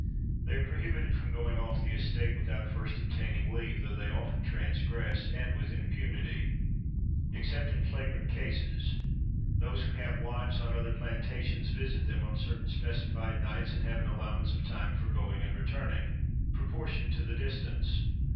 —They are prohibited from going off the estate without first obtaining leave; though they often transgress, and with impunity, except in flagrant cases. Those who have wives on other plantations visit them on certain specified nights, and have an allowance of time for going and returning, proportioned to the distance.